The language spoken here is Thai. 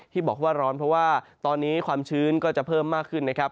ที่บอกว่าร้อนเพราะว่าตอนนี้ความชื้นก็จะเพิ่มมากขึ้นนะครับ